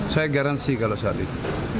saya garansi kalau saat ini